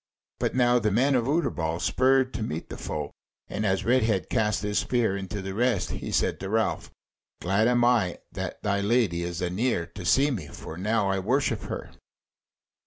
But now the men of Utterbol spurred to meet the foe, and as Redhead cast his spear into the rest, he said to Ralph: "Glad am I that thy Lady is anear to see me, for now I worship her."